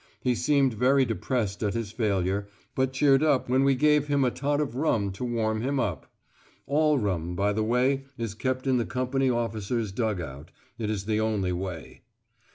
He seemed very depressed at his failure, but cheered up when we gave him a tot of rum to warm him up. (All rum, by the way, is kept in the company officer's dug out; it is the only way.)